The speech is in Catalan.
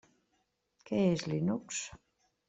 Què és Linux?